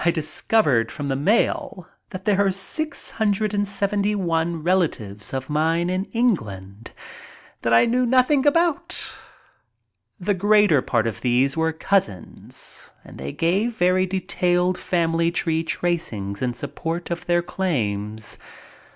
I discovered from the mail that there are 671 relatives of mine in England that I knew nothing about. The greater part of these were cousins and they gave very detailed family tree tracings in support of their claims.